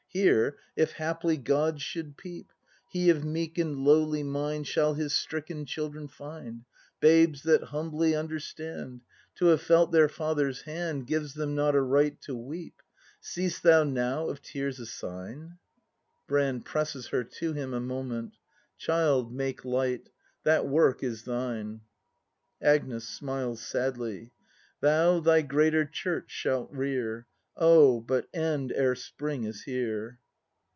Here, if haply God should peep. ACT IV] BRAND 165 He of meek and lowly mind Shall His stricken children find, Babes, that humbly understand, To have felt their Father's hand Gives them not a right to weep. — Seest thou now of tears a sign ? Brand. [Presses her to him a moment.] Child, make light: that work is thine. Agnes. [Smiles sadly.] Thou thy greater Church shalt rear: Oh — but end ere Spring is here!